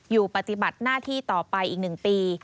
อยู่ปฏิบัติหน้าที่ต่อไปอีก๑ปี